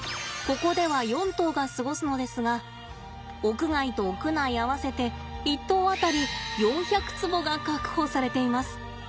ここでは４頭が過ごすのですが屋外と屋内合わせて一頭あたり４００坪が確保されています。